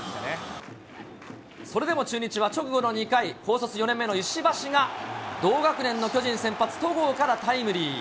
それでも中日は直後の２回、高卒４年目の石橋が、同学年の巨人先発、戸郷からタイムリー。